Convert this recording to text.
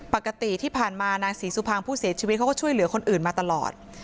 ปกติที่ผ่านมานางศรีสุภางผู้เสียชีวิตเขาก็ช่วยเหลือคนอื่นมาตลอด